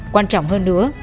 quan trọng hơn nữa